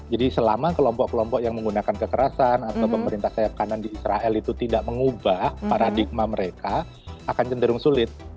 jadi selama kelompok kelompok yang menggunakan kekerasan atau pemerintah sayap kanan di israel itu tidak mengubah paradigma mereka akan cenderung sulit